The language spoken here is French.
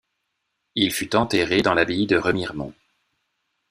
Il fut enterré dans l'abbaye de Remiremont.